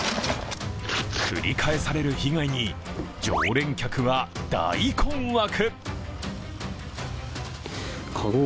繰り返される被害に常連客大困惑。